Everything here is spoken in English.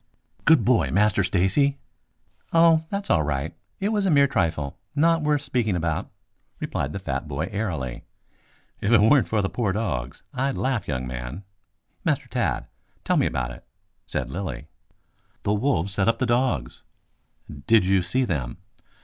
"Good boy, Master Stacy!" "Oh, that's all right. It was a mere trifle, not worth speaking about," replied the fat boy airily. "If it weren't for the poor dogs, I'd laugh, young man. Master Tad, tell me about it," said Lilly. "The wolves set upon the dogs." "Did you see them?"